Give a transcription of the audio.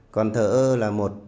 còn thờ ơ là một